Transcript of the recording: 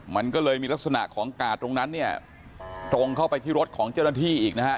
มันก็เลยมีลักษณะของกาดตรงนั้นเนี่ยตรงเข้าไปที่รถของเจ้าหน้าที่อีกนะฮะ